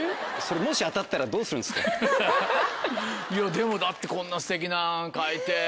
でもだってこんなすてきなん描いて。